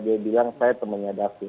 dia bilang saya temannya david